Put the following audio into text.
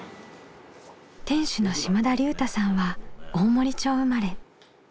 店主の島田竜太さんは大森町生まれ。